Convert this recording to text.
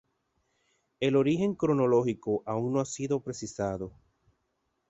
El origen cronológico aún no ha sido precisado.